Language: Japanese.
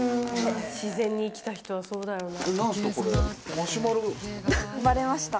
自然に生きた人はそうだよな。